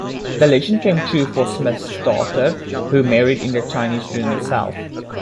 The legend came true for Smith's daughter, who married in the Chinese Room itself.